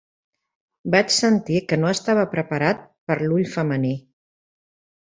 Vaig sentir que no estava preparat per l'ull femení.